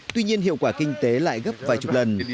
tuy nhiên hiệu quả kinh tế lại gấp vài chục lần